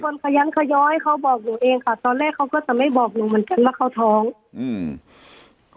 ขยันขย้อยเขาบอกหนูเองค่ะตอนแรกเขาก็จะไม่บอกหนูเหมือนกันว่าเขาท้องอืม